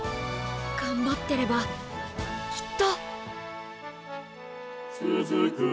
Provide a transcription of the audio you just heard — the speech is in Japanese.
頑張ってればきっと！